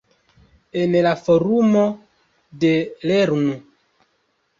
En la forumo de "lernu!